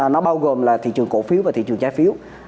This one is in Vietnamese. nó bao gồm là thị trường cổ phiếu và thị trường trái phiếu